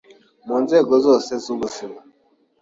mu nzego zose z’ubuzima,